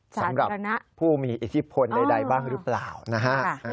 สำหรับผู้มีอิทธิพลใดบ้างหรือเปล่านะฮะ